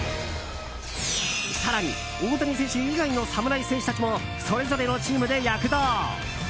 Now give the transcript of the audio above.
更に大谷選手以外の侍戦士たちもそれぞれのチームで躍動。